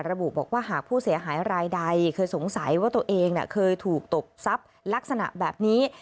ระบุบอกว่าหากผู้เสียหายรายใดเคยสงสัยว่าตัวเองเคยถูกตบทรัพย์ลักษณะแบบนี้